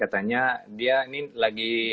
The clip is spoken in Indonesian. katanya dia ini lagi